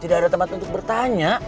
tidak ada tempat untuk bertanya